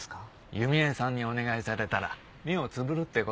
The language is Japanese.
弓江さんにお願いされたら目をつぶるって事。